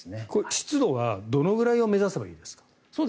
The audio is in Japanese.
湿度は、どのぐらいを目指せばいいですか？